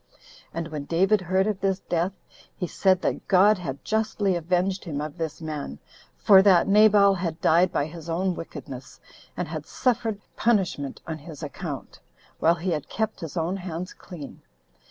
And when David heard of his death, he said that God had justly avenged him of this man, for that Nabal had died by his own wickedness, and had suffered punishment on his account, while he had kept his own hands clean.